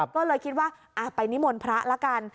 ก็เลยคิดว่าไปนิมนต์พระละกัน